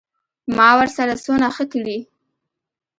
ما ورسره څونه ښه کړي.